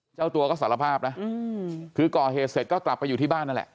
เจ้าตัวก็สารภาพนะคือก่อเหตุเสร็จก็กลับไปอยู่ที่บ้านนั่นแหละ